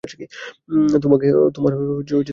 তোমার কিছুই হবে না!